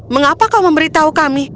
mengapa kau memberitahu kami